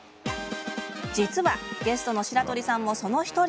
実は、ゲストの白鳥さんもその１人。